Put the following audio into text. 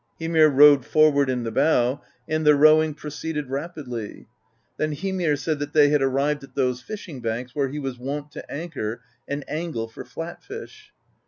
Hymir rowed for ward in the bow, and the rowing proceeded rapidly; then Hymir said that they had arrived at those fishing banks where he was wont to anchor and angle for flat fish.